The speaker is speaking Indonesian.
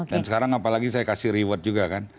dan sekarang apalagi saya kasih reward juga kan